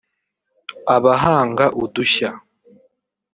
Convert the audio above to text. abahanga udushya